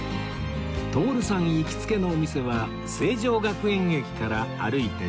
徹さん行きつけのお店は成城学園駅から歩いて４分ほど